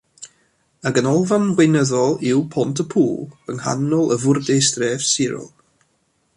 Y ganolfan weinyddol yw Pont-y-pŵl yng nghanol y fwrdeistref sirol.